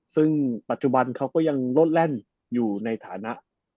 ซึ่งปัจจุบันเขาก็ยังโลดแล่นอยู่ในฐานะ